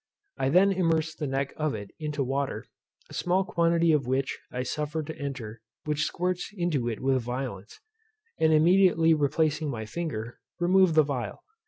I then immerse the neck of it into water, a small quantity of which I suffer to enter, which squirts into it with violence; and immediately replacing my finger, remove the phial.